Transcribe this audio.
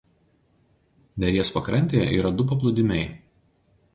Neries pakrantėje yra du paplūdimiai.